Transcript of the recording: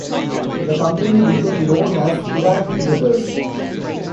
The company became known as Cudahy Brothers.